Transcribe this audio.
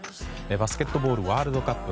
バスケットボールワールドカップ